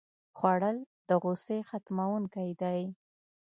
خوړل د غوسې ختموونکی دی